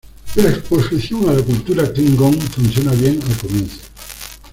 La exposición a la cultura Klingon funciona bien al comienzo.